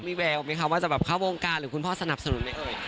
มีแบบว่าจะเข้าโรงการหรือคุณพ่อสนับสนุนไหม